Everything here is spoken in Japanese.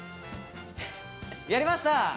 やりました！